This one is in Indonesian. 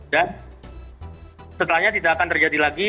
dan setelahnya tidak akan terjadi lagi